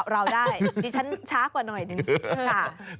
ราวได้ดีฉันช้ากว่าหน่อยหนึ่ง